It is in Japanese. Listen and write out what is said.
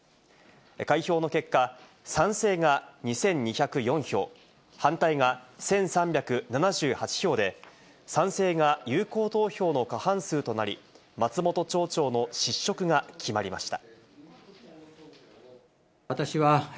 開票の結果、賛成が２２０４票、反対が１３７８票で、賛成が有効投票の過半数となり、松本町長の失職が決まりました。